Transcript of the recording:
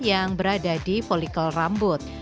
yang berada di polikel rambut